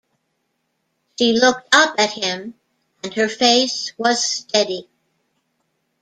She looked up at him, and her face was steady.